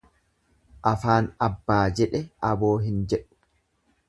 Afaan abbaa jedhe aboo hin jedhu.